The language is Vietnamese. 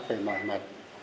để mọi mặt